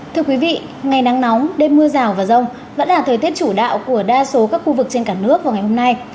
thưa quý vị ngày nắng nóng đêm mưa rào và rông vẫn là thời tiết chủ đạo của đa số các khu vực trên cả nước vào ngày hôm nay